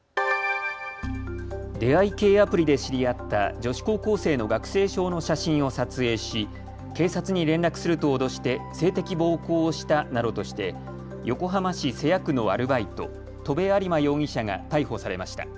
出会い系アプリで知り合った女子高校生の学生証の写真を撮影し、警察に連絡すると脅して性的暴行をしたなどとして横浜市瀬谷区のアルバイト、戸部有馬容疑者が逮捕されました。